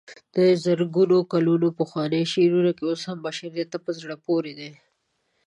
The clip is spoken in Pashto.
د زرګونو کلونو پخواني شعرونه اوس هم بشریت ته په زړه پورې دي.